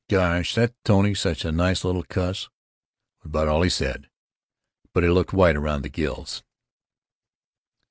"Gosh, and Tony such a nice little cuss," was about all he said, but he looked white around the gills.